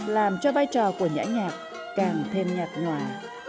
làm cho vai trò của nhã nhạc càng thêm nhạt nhòa